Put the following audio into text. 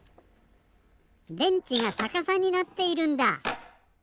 電池がさかさになっているんだ。